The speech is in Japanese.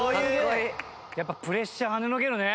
やっぱプレッシャーはねのけるね。